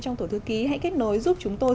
trong tổ thư ký hãy kết nối giúp chúng tôi